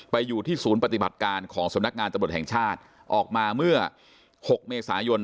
อยู่ที่ศูนย์ปฏิบัติการของสำนักงานตำรวจแห่งชาติออกมาเมื่อ๖เมษายน